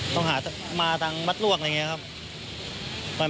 ต้องหามาทางวัดลวกอะไรอย่างนี้ครับ